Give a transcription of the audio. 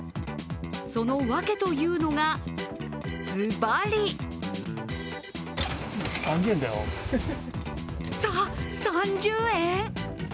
そのわけというのが、ズバリさ、３０円？